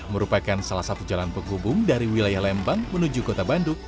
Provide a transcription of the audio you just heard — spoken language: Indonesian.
merupakan salah satu jalan penghubung dari wilayah lembang menuju kota bandung